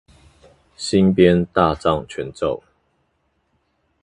新編大藏全咒